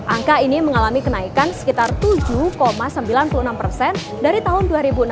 angka ini mengalami kenaikan sekitar tujuh sembilan puluh enam persen dari tahun dua ribu enam belas